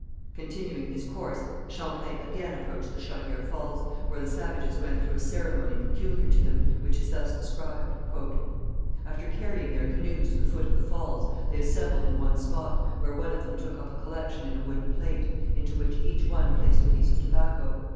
Continuing his course, Champlain again approached the Chaudière Falls, where the savages went through a ceremony peculiar to them, which is thus described: "After carrying their canoes to the foot of the falls, they assembled in one spot, where one of them took up a collection in a wooden plate, into which each one placed a piece of tobacco.